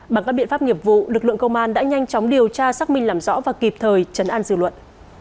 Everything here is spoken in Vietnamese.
bằng các biện pháp nghiệp vụ lực lượng công an đã nhanh chóng điều tra xác minh làm rõ và kịp thời chấn an dư luận